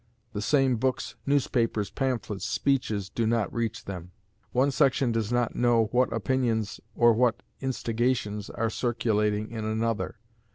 The same books, newspapers, pamphlets, speeches, do not reach them. One section does not know what opinions or what instigations are circulating in another.